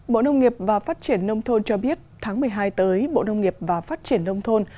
bộ nông nghiệp và phát triển nông thôn cho biết tháng một mươi hai tới bộ nông nghiệp và phát triển nông thôn